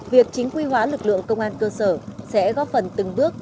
việc chính quy hóa lực lượng công an cơ sở sẽ góp phần từng bước